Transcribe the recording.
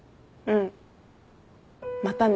うん。